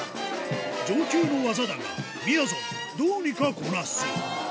上級の技だが、みやぞん、どうにかこなす。